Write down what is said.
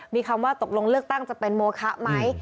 มีคำว่าตกลงเลือกตั้งจะเป็นโมคะไหม